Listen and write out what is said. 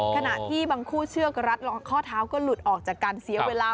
ขณะที่บางคู่เชือกรัดข้อเท้าก็หลุดออกจากการเสียเวลา